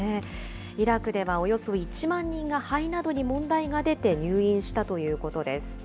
イラクではおよそ１万人が肺などに問題が出て入院したということです。